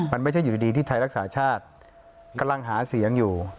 มันไม่ใช่อยู่ดีที่ไทยรักษาชาติกำลังหาเสียงอยู่